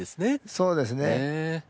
そうですね。